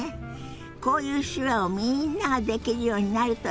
こういう手話をみんなができるようになるといいわよね。